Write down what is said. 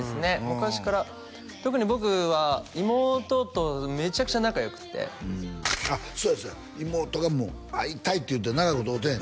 昔から特に僕は妹とめちゃくちゃ仲よくてあっそうやそうや妹が「会いたい！」って言うて長いこと会うてへんの？